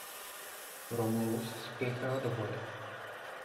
Romulus spěchá do boje.